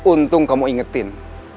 untung kamu ingetin